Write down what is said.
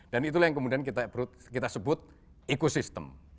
dan itulah yang kemudian kita sebut ecosystem